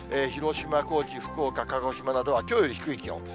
広島、高知、福岡、鹿児島などはきょうより低い気温。